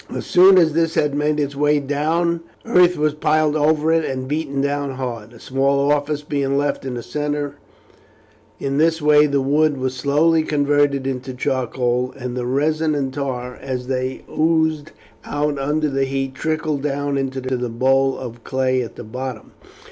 As soon as this had made its way down earth was piled over it and beaten down hard, a small orifice being left in the centre. In this way the wood was slowly converted into charcoal, and the resin and tar, as they oosed out under the heat, trickled down into the bowl of clay at the bottom.